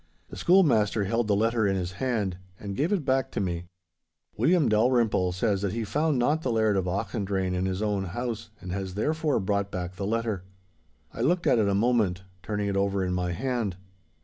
The schoolmaster held the letter in his hand and gave it back to me. 'William Dalrymple says that he found not the Laird of Auchendrayne in his own house, and has therefore brought back the letter.' I looked at it a moment, turning it over in my hand.